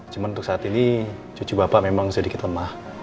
cuma untuk saat ini cucu bapak memang sedikit lemah